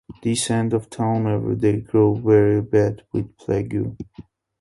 This end of town every day grows very bad with plague.